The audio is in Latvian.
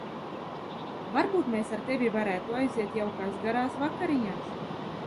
Varbūt mēs ar tevi varētu aiziet jaukās garās vakariņās?